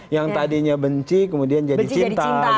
yang tadinya benci kemudian jadi cinta